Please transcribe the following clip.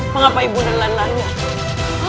mengapa ibu nda lelah lelahin